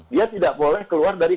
dia tidak boleh keluar dari